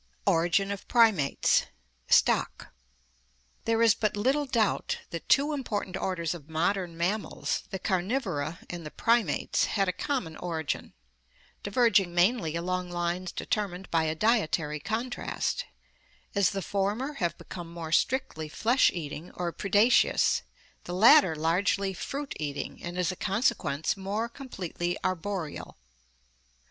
Origin of Primates Stock. — There is but little doubt that two important orders of modern mammals, the Carnivora and the Primates, had a com mon origin, diverging mainly along lines determined by a dietary contrast, as the former have become more strictly flesh eating or predaceous, the latter largely fruit eating and as a consequence more completely arboreal.